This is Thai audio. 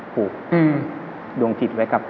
ผูกดวงจิตไว้กับ